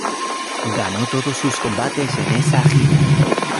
Ganó todos sus combates en esa gira.